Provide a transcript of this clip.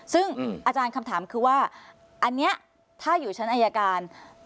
ซึ่งอาจารย์คำถามคือว่าอันนี้ถ้าอยู่ชั้นอายการ